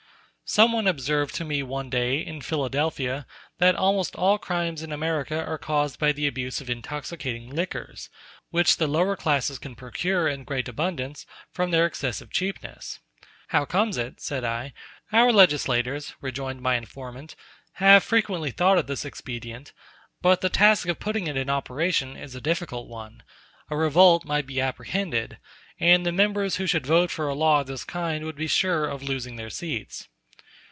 Someone observed to me one day, in Philadelphia, that almost all crimes in America are caused by the abuse of intoxicating liquors, which the lower classes can procure in great abundance, from their excessive cheapness. "How comes it," said I, "that you do not put a duty upon brandy?" "Our legislators," rejoined my informant, "have frequently thought of this expedient; but the task of putting it in operation is a difficult one; a revolt might be apprehended, and the members who should vote for a law of this kind would be sure of losing their seats."